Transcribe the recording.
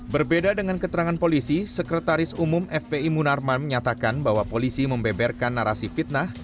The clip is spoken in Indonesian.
berbeda dengan keterangan polisi sekretaris umum fpi munarman menyatakan bahwa polisi membeberkan narasi fitnah